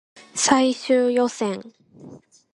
最終予選